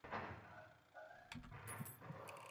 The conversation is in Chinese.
阿黑是犹大王国国王约雅敬的第五代的后代。